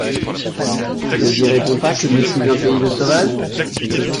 Ne dirait-on pas que je suis un pays de sauvages ?